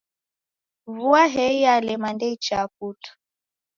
Vua hei yalema ndeichaa putu.